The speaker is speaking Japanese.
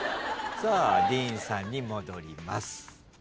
さあディーンさんに戻ります。